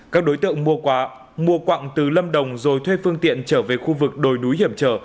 các đối tượng mua quặng từ lâm đồng rồi thuê phương tiện trở về khu vực đồi núi hiểm trở